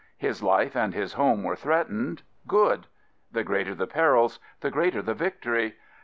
His life and his home were threatened: good. The greater the perils, the greater the victory.